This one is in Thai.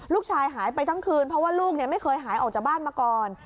ลูกชายหายไปทั้งคืนเพราะว่าลูกไม่เคยหายออกจากบ้านมาก่อน